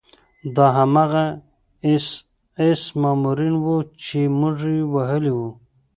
دا هماغه د اېس ایس مامورین وو چې موږ وهلي وو